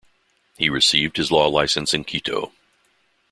He received his law license in Quito.